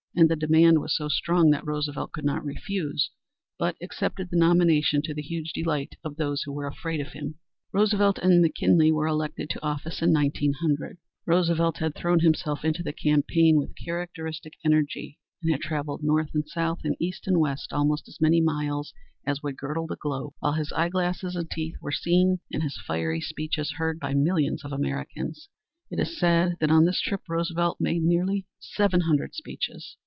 And the demand was so strong that Roosevelt could not refuse, but accepted the nomination to the huge delight of those who were afraid of him. Roosevelt and McKinley were elected to office in 1900. Roosevelt had thrown himself into the campaign with characteristic energy, and had traveled north and south and east and west almost as many miles as would girdle the globe, while his eyeglasses and teeth were seen and his fiery speeches heard by millions of Americans. It is said that on this trip Roosevelt made nearly seven hundred speeches.